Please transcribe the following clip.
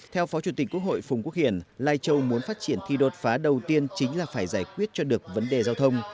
theo phó chủ tịch quốc hội phùng quốc hiển lai châu muốn phát triển thì đột phá đầu tiên chính là phải giải quyết cho được vấn đề giao thông